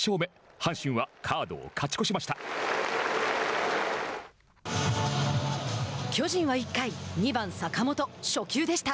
阪神はカードを勝ち越しました。